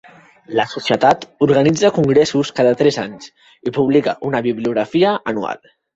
La societat organitza congressos cada tres anys i publica una bibliografia anual.